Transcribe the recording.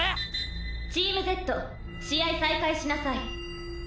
「チームＺ試合再開しなさい」